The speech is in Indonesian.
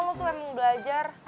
lo tuh emang belajar